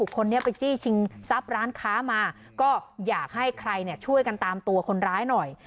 คนนี้ไปจี้ชิงทรัพย์ร้านค้ามาก็อยากให้ใครช่วยกันตามตัวคนร้ายหน่อย